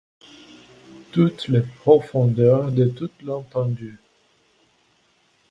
Toutes les profondeurs de toute l’étendue